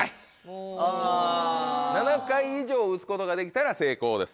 ７回以上打つことができたら成功です。